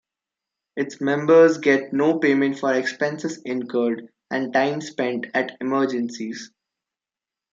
Its members get no payment for expenses incurred and time spent at emergencies.